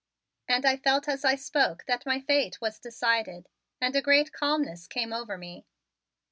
And I felt as I spoke that my fate was decided, and a great calmness came over me.